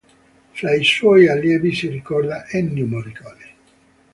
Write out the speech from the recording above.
Fra i suoi allievi si ricorda Ennio Morricone.